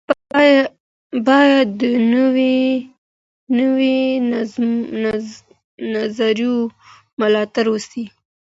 باید د نویو نظریو ملاتړ وسي.